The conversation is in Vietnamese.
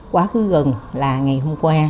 quá khứ gần là ngày hôm qua